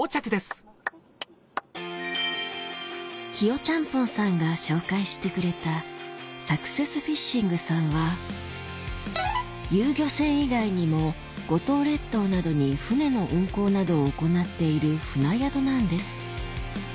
ちゃんぽんさんが紹介してくれた遊漁船以外にも五島列島などに船の運航などを行っている船宿なんです